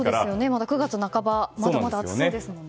まだ９月半ばまだまだ暑そうですもんね。